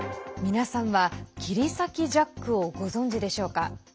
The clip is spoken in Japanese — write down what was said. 皆さんは、切り裂きジャックをご存じでしょうか？